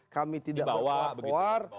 kami tidak berkuat kuat